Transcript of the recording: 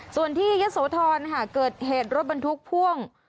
ส่วนที่เย้โสทรเกิดเหตุรถบรรทุกผ่วง